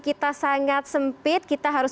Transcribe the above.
kita sangat sempit kita harus